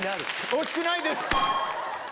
惜しくないです。